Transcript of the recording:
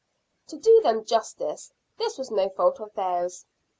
To do them justice, this was no fault of theirs.